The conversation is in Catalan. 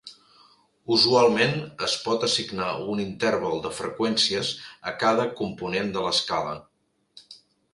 Usualment es pot assignar un interval de freqüències a cada component de l'escala.